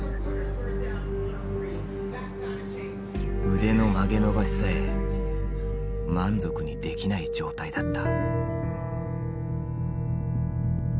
腕の曲げ伸ばしさえ満足にできない状態だった。